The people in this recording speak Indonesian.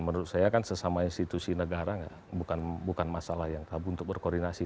menurut saya kan sesama institusi negara bukan masalah yang tabu untuk berkoordinasi